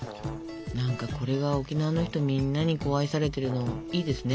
何かこれが沖縄の人みんなに愛されてるのいいですね。